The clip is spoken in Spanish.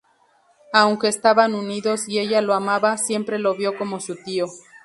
Aunque estaban unidos y ella lo amaba, siempre lo vio como su tío.